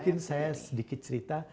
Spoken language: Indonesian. mungkin saya sedikit cerita